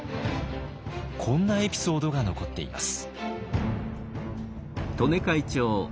こんなエピソードが残っています。